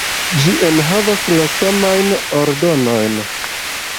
Ĝi enhavas la samajn ordonojn.